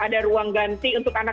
ada ruang ganti untuk anak